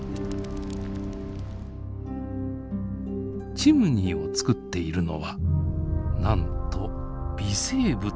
チムニーを作っているのはなんと微生物だというのです。